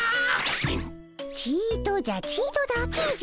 ちとじゃちとだけじゃ。